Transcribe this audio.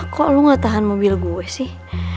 kok lu gak tahan mobil gue sih